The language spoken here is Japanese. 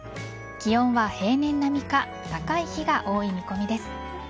気温は平年並みか高い日が多い見込みです。